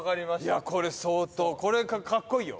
いやこれ相当かっこいいよ。